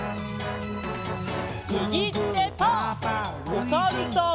おさるさん。